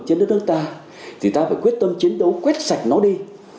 chúng ta phải quyết tâm chiến đấu quét sạch nó đi